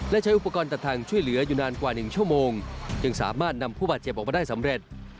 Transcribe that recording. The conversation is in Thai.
และใช้อุปกรณ์ตัดทางช่วยเหลืออยู่นานกว่า๑ชั่วโมงจึงสามารถนำผู้บาดเจ็บออกมาได้สำเร็จ